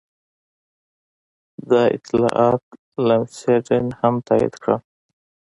دا اطلاعات لمسډن هم تایید کړل.